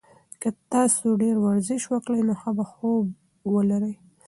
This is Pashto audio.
که تاسي ډېر ورزش وکړئ نو ښه خوب به ولرئ.